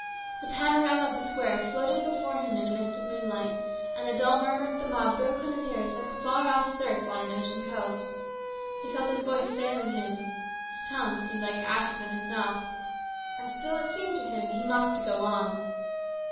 The panorama of the square floated before him in a mist of moonlight, and the dull murmur of the mob broke on his ears like a far off surf on an ocean coast. He felt his voice failing him, his tongue seemed like ashes in his mouth, and still it seemed to him he must go on.